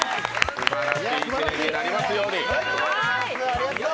すばらしい１年になりますように。